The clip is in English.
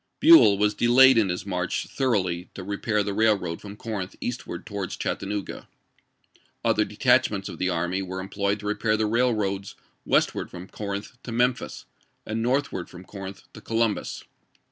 Buell was delayed in his march thoroughly to rejiair the railroad from Corinth eastward towards Chattanooga. Other detachments of the army were employed to repair the raih^oads westward from Corinth to Memphis, and northward from Corinth to Columbus.